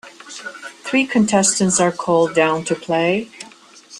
Three contestants are called down to play.